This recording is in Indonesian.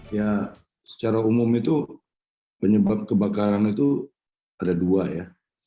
ya secara umum itu penyebab kebakaran itu ada dua ya